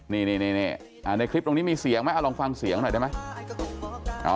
นี่ในคลิปตรงนี้มีเสียงไหมเอาลองฟังเสียงหน่อยได้ไหม